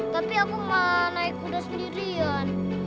tapi aku nggak naik kuda sendirian